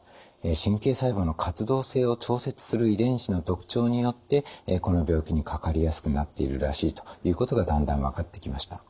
神経細胞の活動性を調節する遺伝子の特徴によってこの病気にかかりやすくなっているらしいということがだんだん分かってきました。